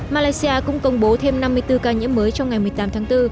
malaysia cũng công bố thêm năm mươi bốn ca nhiễm mới trong ngày một mươi tám tháng bốn